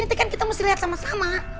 nanti kan kita mesti lihat sama sama